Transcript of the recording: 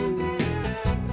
nanti aku coba